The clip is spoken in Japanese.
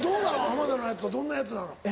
濱田のやつはどんなやつなの？